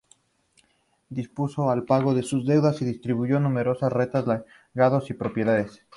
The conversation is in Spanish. Dispuso el pago de sus deudas y distribuyó numerosas rentas, legados y propiedades.